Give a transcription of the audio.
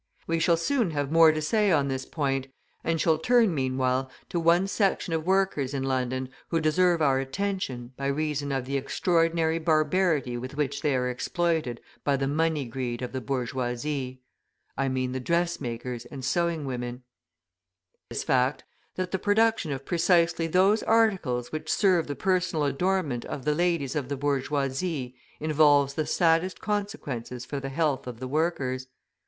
We shall soon have more to say on this point, and turn meanwhile to one section of workers in London who deserve our attention by reason of the extraordinary barbarity with which they are exploited by the money greed of the bourgeoisie. I mean the dressmakers and sewing women. It is a curious fact that the production of precisely those articles which serve the personal adornment of the ladies of the bourgeoisie involves the saddest consequences for the health of the workers.